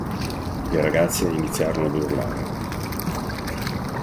Le ragazze iniziarono ad urlare.